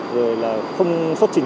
rồi là không xuất trình